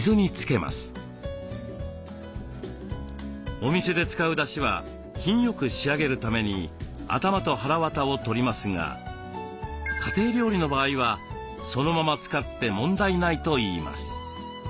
お店で使うだしは品よく仕上げるために頭とはらわたを取りますが家庭料理の場合はそのまま使って問題ないといいます。